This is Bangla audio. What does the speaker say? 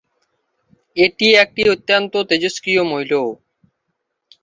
এটি একটি অত্যন্ত তেজস্ক্রিয় মৌল।